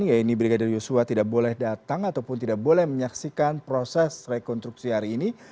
yaitu brigadir yosua tidak boleh datang ataupun tidak boleh menyaksikan proses rekonstruksi hari ini